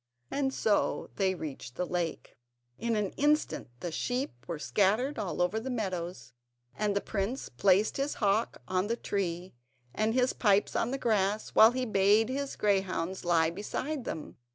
And so they reached the lake. In an instant the sheep were scattered all over the meadows, and the prince placed his hawk on the tree, and his pipes on the grass, while he bade his greyhounds lie beside them.